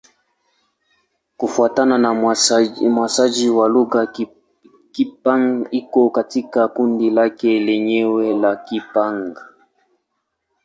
Kufuatana na uainishaji wa lugha, Kipa-Hng iko katika kundi lake lenyewe la Kipa-Hng.